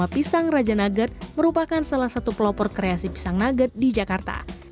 pisang nugget di jakarta